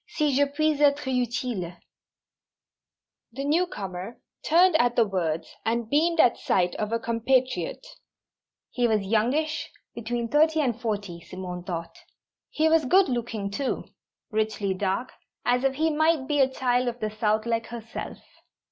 Si je puis être utile _" The newcomer turned at the words, and beamed at sight of a compatriot. He was youngish, between thirty and forty, Simone thought. He was good looking, too; richly dark, as if he might be a child of the south, like herself.